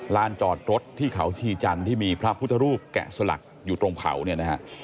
ลานจอดรถที่เขาชีจันทร์ที่มีพระพุทธรูปแกะสลักอยู่ตรงเขาเนี่ยนะฮะ